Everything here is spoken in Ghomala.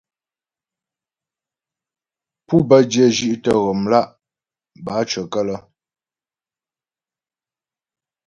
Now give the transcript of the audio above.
Pû bə́ dyə̂ zhí'tə ghɔmlá' bǎcyəkə́lə́.